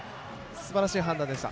すばらしい判断でした。